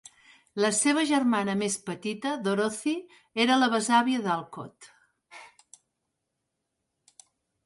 La seva germana més petita, Dorothy, era la besàvia d"Alcott.